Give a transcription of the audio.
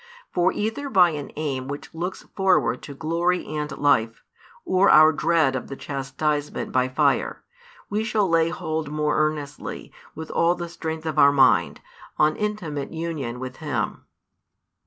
For either by an aim which looks forward to glory and life, or our dread of the chastisement by fire, we shall lay hold more earnestly, with all the strength of our mind, on intimate union with Him.